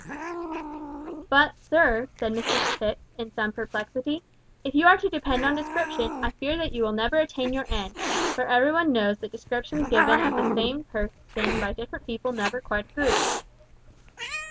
"But, sir," said Mrs Tipps, in some perplexity, "if you are to depend on description, I fear that you will never attain your end, for every one knows that descriptions given of the same person by different people never quite agree."